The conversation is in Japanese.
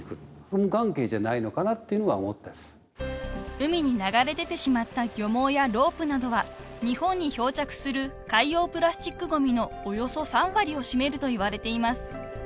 ［海に流れ出てしまった漁網やロープなどは日本に漂着する海洋プラスチックごみのおよそ３割を占めると言われています］